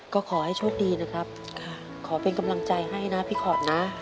ก็ขอให้โชคดีนะครับขอเป็นกำลังใจให้นะพี่ขอดนะ